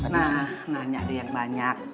nah nanya ada yang banyak